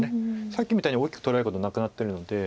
さっきみたいに大きく取られることなくなってるので。